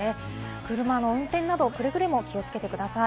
車の運転などくれぐれも気をつけてください。